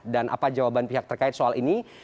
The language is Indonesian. dan apa jawaban pihak terkait soal ini